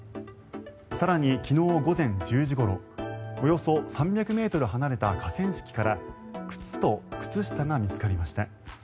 更に、昨日午前１０時ごろおよそ３００ｍ離れた河川敷から靴と靴下が見つかりました。